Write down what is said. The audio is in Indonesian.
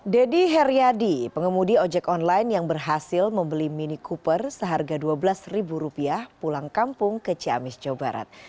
deddy heriadi pengemudi ojek online yang berhasil membeli mini cooper seharga dua belas rupiah pulang kampung ke ciamis jawa barat